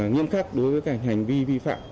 nghiêm khắc đối với hành vi vi phạm